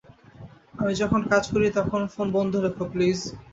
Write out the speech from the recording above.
আমি যখন কাজ করি তখন ফোন বন্ধ রেখো, প্লিজ।